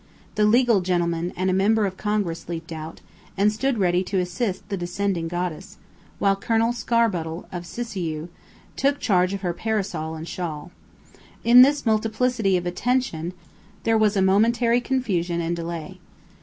The legal gentleman and a member of Congress leaped out, and stood ready to assist the descending goddess, while Colonel Starbottle, of Siskiyou, took charge of her parasol and shawl. In this multiplicity of attention there was a momentary confusion and delay.